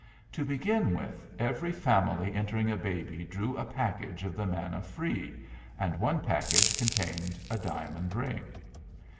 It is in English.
To begin with, every family entering a baby drew a package of the manna free, and one package contained a diamond ring.